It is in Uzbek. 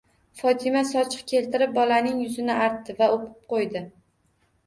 Fotima sochiq keltirib bolaning yuzini artdi va o'pib qo'ydi.